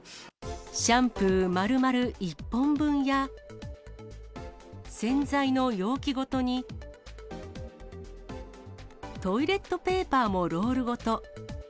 シャンプーまるまる１本分や、洗剤の容器ごとに、トイレットペーパーもロールごと。